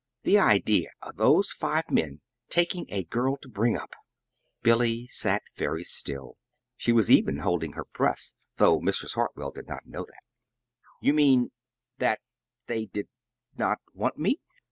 The idea of those five men taking a girl to bring up!" Billy sat very still. She was even holding her breath, though Mrs. Hartwell did not know that. "You mean that they did not want me?"